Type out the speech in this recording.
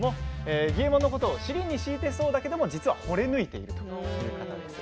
儀右衛門のことを尻に敷いているようだけぢ実はほれ抜いているという方です。